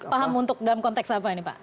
paham untuk dalam konteks apa ini pak